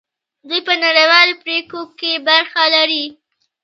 دوی په نړیوالو پریکړو کې برخه لري.